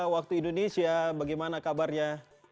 waktu indonesia bagaimana kabarnya